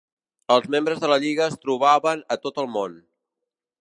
Els membres de la Lliga es trobaven a tot el món.